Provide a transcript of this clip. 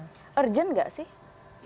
urgen gak sih